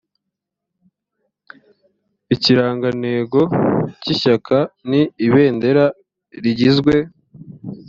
ikirangantego cy ishyaka ni ibendera rigizwe